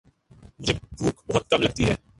مجھے بھوک بہت کم لگتی ہے